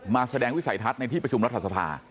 แสดงวิสัยทัศน์ในที่ประชุมรัฐสภา